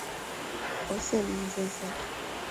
今南投县名间乡。